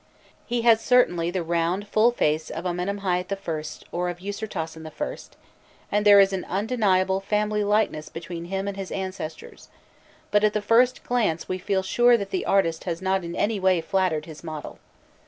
He has certainly the round full face of Amenemhâît or of Usirtasen I., and there is an undeniable family likeness between him and his ancestors; but at the first glance we feel sure that the artist has not in any way flattered his model.